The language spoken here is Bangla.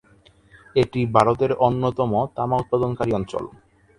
এটি ভারতের অন্যতম তামা উৎপাদনকারী অঞ্চল।